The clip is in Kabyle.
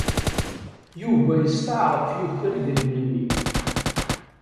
Yuba yesteɛṛef yuker idrimen-nni.